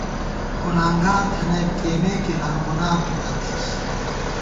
گُنانگار تھنَئیک ، کئیمېکے ہر گُنا تمېس تُو